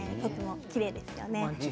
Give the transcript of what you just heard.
きれいですね。